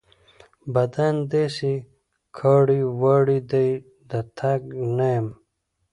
بدن مې داسې کاړې واړې دی؛ د تګ نه يم.